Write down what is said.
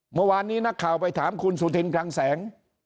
เมื่อวานนี้นักข่าวไปถามคุณสุธินคลังแสง